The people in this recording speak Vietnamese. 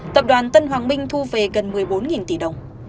tập đoàn tân hoàng minh thu về gần một mươi bốn tỷ đồng